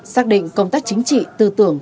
xác định công tác chính trị tư tưởng